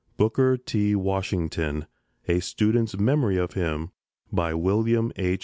BOOKER T. WASHINGTON A STUDENT'S MEMORY OF HIM WILLIAM H.